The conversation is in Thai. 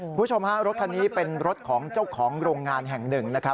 คุณผู้ชมฮะรถคันนี้เป็นรถของเจ้าของโรงงานแห่งหนึ่งนะครับ